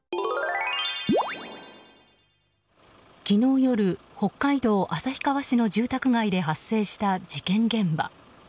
昨日夜、北海道旭川市の住宅街で発生した事件現場。